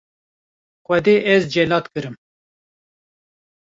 - Xwedê ez celat kirim.